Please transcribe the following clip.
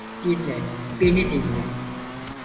Dinle, beni dinle.